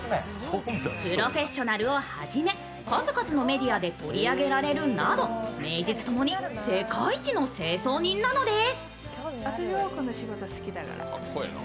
「プロフェッショナル」をはじめ数々のメディアで取り上げられるなど名実ともに世界一の清掃人なのです。